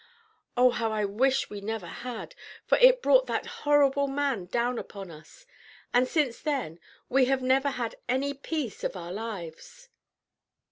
Oh, how I wish we never had; for it brought that horrible man down upon us, and since then we have never had any peace of our lives."